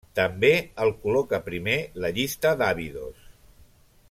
També el col·loca primer la llista d'Abidos.